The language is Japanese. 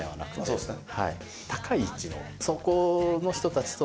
そうですよね。